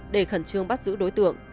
để khẩn trương bắt giữ đối tượng